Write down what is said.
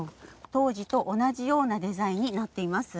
当時と同じようなデザインになっています。